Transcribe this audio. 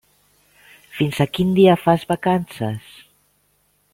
Fins a quin dia fas vacances?